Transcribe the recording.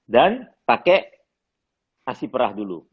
dan pakai asyperah dulu